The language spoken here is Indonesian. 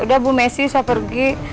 udah bu messi saya pergi